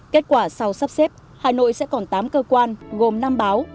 kết quả sau sắp xếp hà nội sẽ còn tám cơ quan gồm năm báo